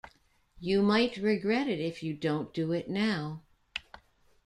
You might regret it if you don't do it now.